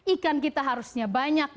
ikan kita harusnya banyak